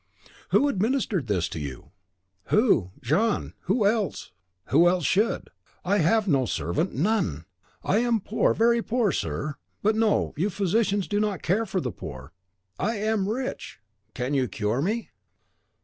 "Who administered this to you?" "Who? Jean! Who else should? I have no servant, none! I am poor, very poor, sir. But no! you physicians do not care for the poor. I AM RICH! can you cure me?"